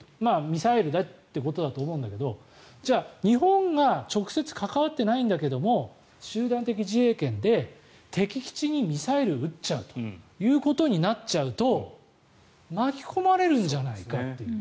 ミサイルでってことだと思うんだけどじゃあ、日本が直接関わってないんだけど集団的自衛権で敵基地にミサイルを撃っちゃうということになっちゃうと巻き込まれるんじゃないかっていう。